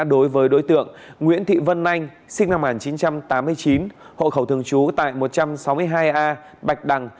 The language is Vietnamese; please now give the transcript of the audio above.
đối với đối tượng nguyễn thị vân anh sinh năm một nghìn chín trăm tám mươi chín hộ khẩu thường trú tại một trăm sáu mươi hai a bạch đằng